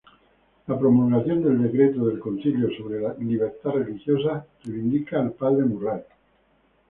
La promulgación del decreto del concilio sobre libertad religiosa reivindica al padre Murray.